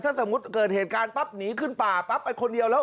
ถ้าสมมุติเกิดเหตุการณ์ปั๊บหนีขึ้นป่าปั๊บไปคนเดียวแล้ว